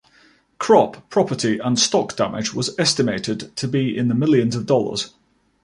Crop, property and stock damage was estimated to be in the millions of dollars.